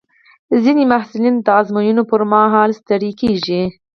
ځینې محصلین د ازموینو پر مهال ستړي کېږي.